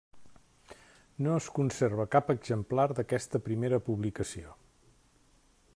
No es conserva cap exemplar d'aquesta primera publicació.